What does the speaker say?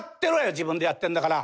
自分でやってんだから」。